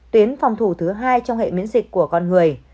tuyến phòng thủ thứ hai trong hệ miễn dịch của con người